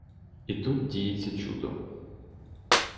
І тут діється чудо.